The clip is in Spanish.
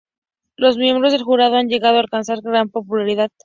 Los miembros del jurado han llegado a alcanzar gran popularidad.